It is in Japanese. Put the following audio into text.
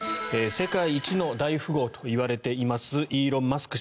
世界一の大富豪といわれていますイーロン・マスク